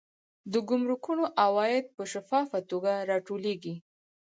د ګمرکونو عواید په شفافه توګه راټولیږي.